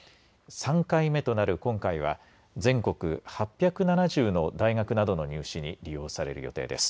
３回目となる今回は全国８７０の大学などの入試に利用される予定です。